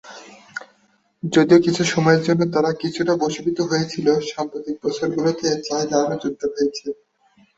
যদিও কিছু সময়ের জন্য তারা কিছুটা বশীভূত হয়েছিল, সাম্প্রতিক বছরগুলিতে এই চাহিদা আরও জোরদার হয়েছে।